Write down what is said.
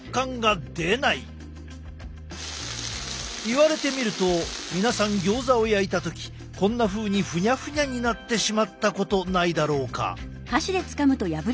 言われてみると皆さんギョーザを焼いた時こんなふうにフニャフニャになってしまったことないだろうか。